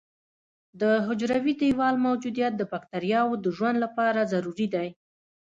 د حجروي دیوال موجودیت د بکټریاوو د ژوند لپاره ضروري دی.